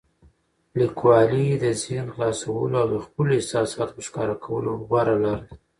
لیکوالی د ذهن خلاصولو او د خپلو احساساتو په ښکاره کولو غوره لاره ده.